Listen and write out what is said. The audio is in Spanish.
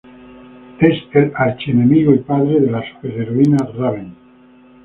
Es el archienemigo y padre de la superheroína Raven.